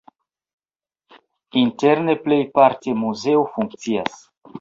Interne plejparte muzeo funkcias.